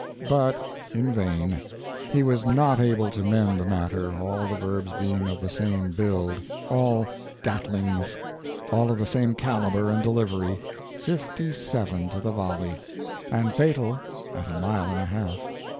But in vain. He was not able to mend the matter, all the verbs being of the same build, all Gatlings, all of the same caliber and delivery, fifty seven to the volley, and fatal at a mile and a half.